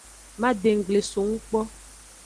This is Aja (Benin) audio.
Madenggble songu kpo.